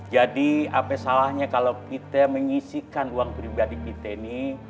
jadi apa salahnya kalau kita mengisikan uang pribadi kita ini